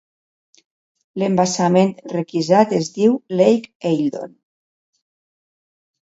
L'embassament requisat es diu Lake Eildon.